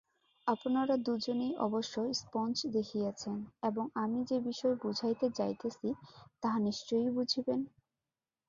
আপনারা দুইজনেই অবশ্য স্পঞ্জ দেখিয়াছেন এবং আমি যে-বিষয় বুঝাইতে যাইতেছি, তাহা নিশ্চয়ই বুঝিবেন।